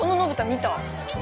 見た！